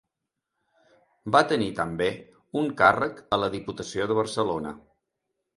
Va tenir també un càrrec a la Diputació de Barcelona.